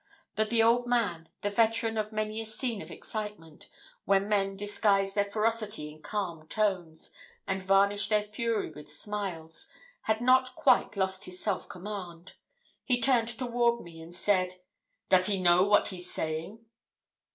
But the old man, the veteran of many a scene of excitement, where men disguise their ferocity in calm tones, and varnish their fury with smiles, had not quite lost his self command. He turned toward me and said 'Does he know what he's saying?'